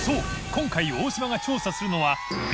今回大島が調査するのは磴修靴